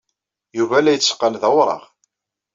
Yuba la itteqqal d awraɣ.